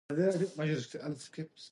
وکيټ کیپر د وکيټو شاته درېږي.